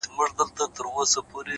هلته د ژوند تر آخري سرحده _